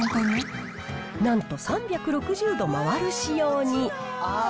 なんと３６０度回る仕様に。